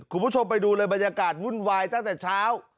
คุณผู้ชมไปดูเลยบรรยากาศวุ่นวายตั้งแต่เช้า